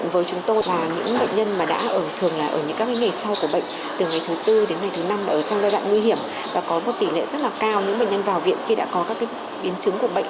và có một tỷ lệ rất là cao những bệnh nhân vào viện khi đã có các biến chứng của bệnh